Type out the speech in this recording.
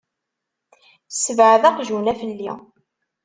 Ssebɛed aqjun-a felli!